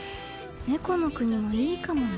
猫の国もいいかもね。